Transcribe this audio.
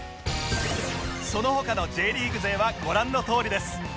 その他の Ｊ リーグ勢はご覧のとおりです